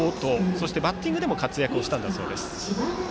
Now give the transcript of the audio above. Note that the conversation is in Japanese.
そしてバッティングでも活躍したそうです。